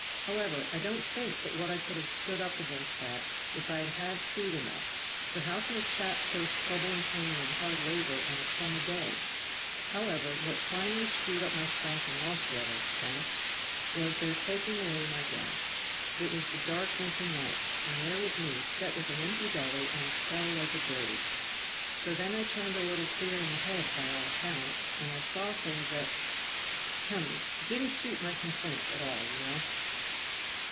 However, I don't think but what I could have stood up against that, if I had had food enough; but how can a chap face trouble and pain and hard labor on a crumb a day? However, what finally screwed up my stocking altogether, gents, was their taking away my gas. It was the dark winter nights, and there was me set with an empty belly and the cell like a grave. So then I turned a little queer in the head by all accounts, and I saw things that hem! didn't suit my complaint at all, you know."